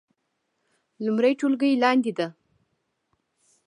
لومړۍ ټولګی لاندې ده